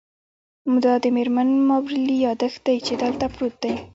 دا د میرمن مابرلي یادښت دی چې دلته پروت دی